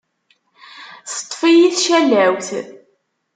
Teṭṭef-iyi tcallawt.